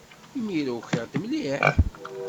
Imir-a ukiɣ-d mliḥ.